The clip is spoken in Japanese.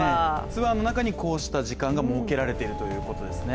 ツアーの中にこうした時間が設けられているということですね。